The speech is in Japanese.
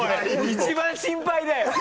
一番心配だよ！